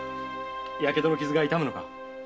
火傷の傷が痛むのか？